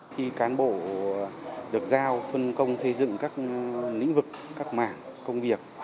khi cán bộ được giao phân công xây dựng các lĩnh vực các mảng công việc